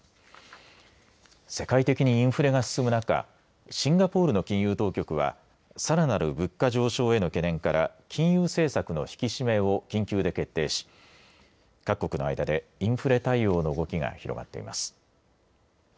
世界的にインフレが進む中シンガポールの金融当局はさらなる物価上昇への懸念から金融政策の引き締めを緊急で決定し各国の間でインフレ対応の動きが広がっています。